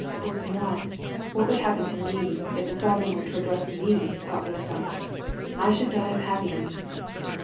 " Bozhe mo'i I what would happen to me, if the sovereign were to address me !'' thought Rostof ." I should die of hap piness